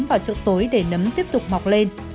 vào chỗ tối để nấm tiếp tục mọc lên